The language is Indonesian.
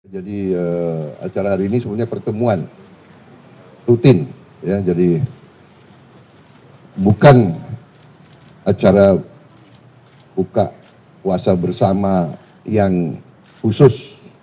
jadi acara hari ini semuanya pertemuan rutin ya jadi bukan acara buka kuasa bersama yang khusus